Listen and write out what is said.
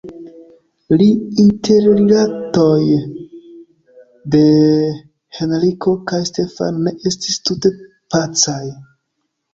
La interrilatoj de Henriko kaj Stefano ne estis tute pacaj.